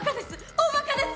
大ばかです！